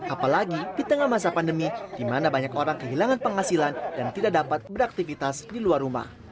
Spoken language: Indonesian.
apalagi di tengah masa pandemi di mana banyak orang kehilangan penghasilan dan tidak dapat beraktivitas di luar rumah